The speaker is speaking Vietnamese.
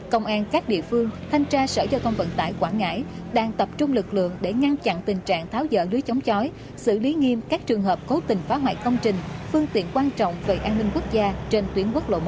công an các địa phương thanh tra sở giao thông vận tải quảng ngãi đang tập trung lực lượng để ngăn chặn tình trạng tháo dỡ lưới chống chói xử lý nghiêm các trường hợp cố tình phá hoại công trình phương tiện quan trọng về an ninh quốc gia trên tuyến quốc lộ một